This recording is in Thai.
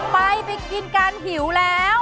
ไปกินกรานหิวแล้ว